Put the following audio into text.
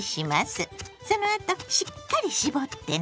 そのあとしっかり絞ってね！